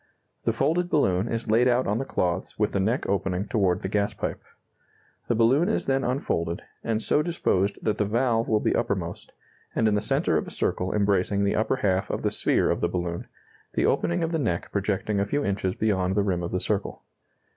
The folded balloon is laid out on the cloths with the neck opening toward the gas pipe. The balloon is then unfolded, and so disposed that the valve will be uppermost, and in the centre of a circle embracing the upper half of the sphere of the balloon, the opening of the neck projecting a few inches beyond the rim of the circle.